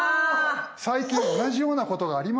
最近同じようなことがありましたよ。